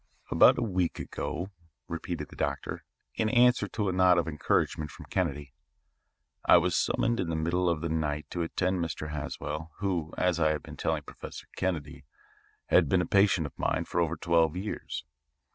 "About a week ago," repeated the doctor, in answer to a nod of encouragement from Kennedy, "I was summoned in the middle of the night to attend Mr. Haswell, who, as I have been telling Professor Kennedy, had been a patient of mine for over twelve years.